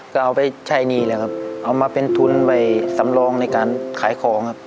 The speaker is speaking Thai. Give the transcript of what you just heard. ก็เอาไปใช้หนี้เลยครับเอามาเป็นทุนไปสำรองในการขายของครับ